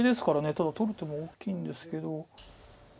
ただ取る手も大きいんですけど。